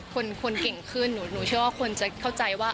คนเก่งขึ้นหนูเชื่อว่าคนจะเข้าใจว่า